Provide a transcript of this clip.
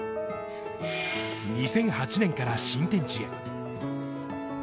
２００８年から新天地へ。